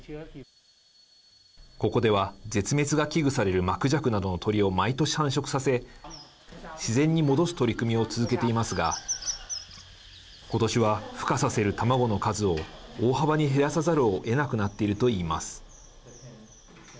ここでは絶滅が危惧されるマクジャクなどの鳥を毎年繁殖させ自然に戻す取り組みを続けていますがことしは、ふ化させる卵の数を大幅に減らさざるをえなくなっているといいます。